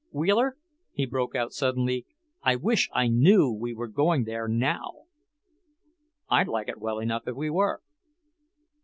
Wheeler," he broke out suddenly, "I wish I knew we were going there now!" "I'd like it well enough if we were."